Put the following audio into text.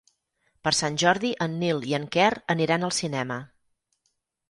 Per Sant Jordi en Nil i en Quer aniran al cinema.